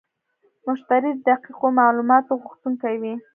مشتری د دقیقو معلوماتو غوښتونکی وي.